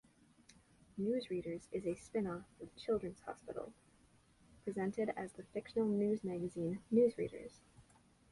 "Newsreaders" is a spin-off of "Childrens Hospital", presented as the fictional news magazine "Newsreaders".